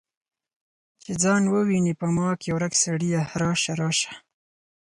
چې ځان وویني په ما کې ورک سړیه راشه، راشه